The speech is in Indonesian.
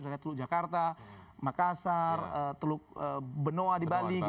misalnya teluk jakarta makassar teluk benoa di bali